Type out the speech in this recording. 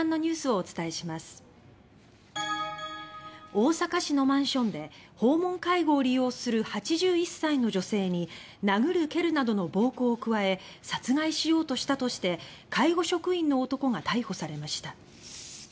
大阪市のマンションで訪問介護を利用する８１歳の女性に殴る蹴るなどの暴行を加え殺害しようとしたとして介護職員の男が逮捕されました。